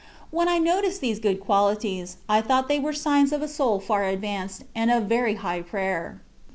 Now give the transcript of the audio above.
When I noticed these good qualities, I thought they were signs of a soul far advanced, and of very high prayer.